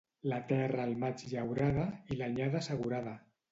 La terra al maig llaurada i l'anyada assegurada.